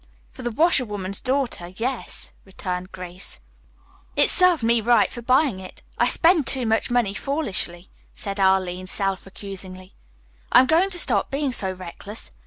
"For the washerwoman's daughter, yes," returned Grace. "It served me right for buying it. I spend too much money foolishly," said Arline self accusingly. "I'm going to stop being so reckless.